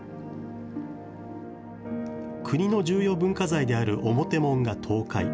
国の重要文化財である表門が倒壊。